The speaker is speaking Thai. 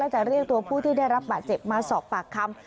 จะเรียกตัวผู้ที่ได้รับบาดเจ็บมาสอบปากคำ